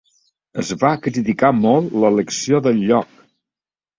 Es va criticar molt l'elecció del lloc.